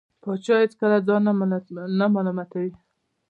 پاچا هېڅکله ځان نه ملامتوي .